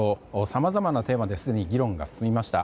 さまざまなテーマですでに議論が進みました。